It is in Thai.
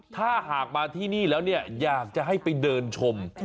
ถ้าหากมาที่นี่แล้วเนี่ยอยากจะให้ไปเดินชม